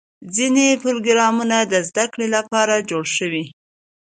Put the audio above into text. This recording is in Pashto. ځینې پروګرامونه د زدهکړې لپاره جوړ شوي.